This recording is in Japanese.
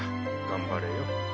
頑張れよ。